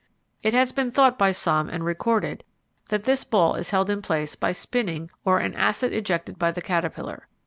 It has been thought by some and recorded, that this ball is held in place by spinning or an acid ejected by the caterpillar.